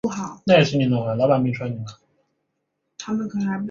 格朗达格。